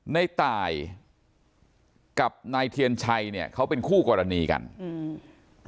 ในตายกับนายเทียนชัยเนี้ยเขาเป็นคู่กรณีกันอืม